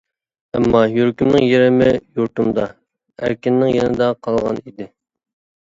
ئەمما يۈرىكىمنىڭ يېرىمى يۇرتۇمدا، ئەركىننىڭ يېنىدا قالغان ئىدى.